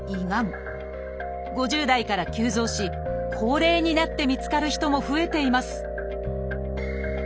５０代から急増し高齢になって見つかる人も増えています